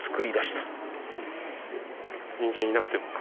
人間いなくても。